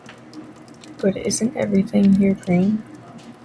But isn't everything here green?